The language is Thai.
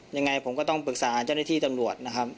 ยังไงผมก็ต้องปรึกษาเจ้าหน้าที่ตำรวจนะครับ